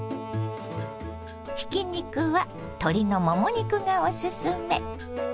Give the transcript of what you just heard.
ひき肉は鶏のもも肉がおすすめ。